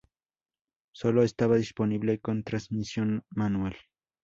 Sólo estaba disponible con transmisión manual.